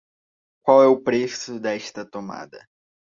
Qual é o preço desta tomada?